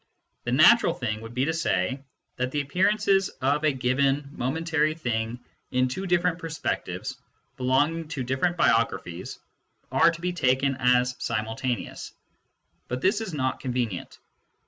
The natural thing would be to say that the appearances of a given (momentary) thing in two different perspectives belonging to different biographies are to be taken as simultaneous ; but this is not convenient.